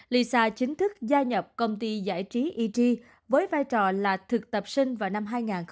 lisa chính thức gia nhập công ty giải trí eg với vai trò là thực tập sinh vào năm hai nghìn một mươi